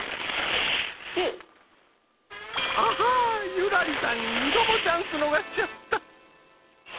９！あは優良梨さん２度もチャンス逃しちゃった！